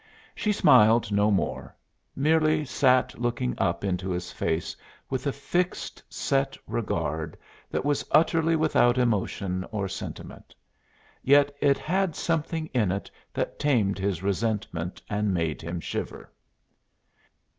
She smiled no more merely sat looking up into his face with a fixed, set regard that was utterly without emotion or sentiment. Yet it had something in it that tamed his resentment and made him shiver.